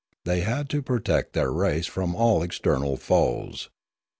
They had to protect their race from all external foes.